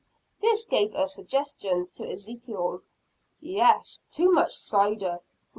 This gave a suggestion to Ezekiel. "Yes, too much cider.